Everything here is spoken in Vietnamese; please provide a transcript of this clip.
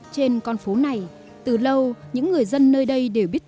trên con phố này từ lâu những người dân nơi đây đều biết tới việt nam